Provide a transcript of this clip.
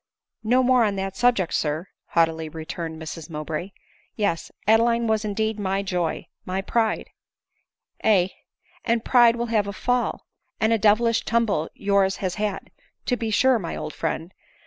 " No more on that subject, sir," haughtily returned Mrs Mowbray. "Yes, — Adeline was indeed my joy, my pride." " Aye, and pride will have a fall ; and a devilish tumble yours has had, to be sure, my old friend.